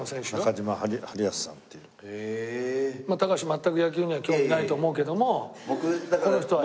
全く野球には興味ないと思うけどもこの人は。